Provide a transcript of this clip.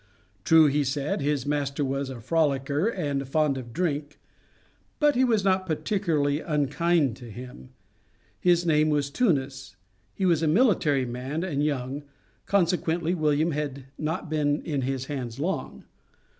True, he said his "master was a frolicker, and fond of drink," but he was not particularly unkind to him. His name was Tunis; he was a military man, and young; consequently William had not been in his hands long.